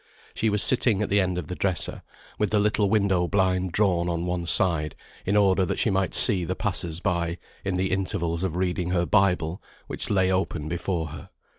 She was sitting at the end of the dresser, with the little window blind drawn on one side, in order that she might see the passers by, in the intervals of reading her Bible, which lay open before her.